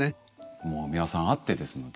もう美輪さんあってですので。